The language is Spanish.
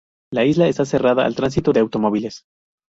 La isla está cerrada al tránsito de automóviles.